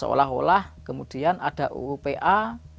seolah olah kemudian ada uupa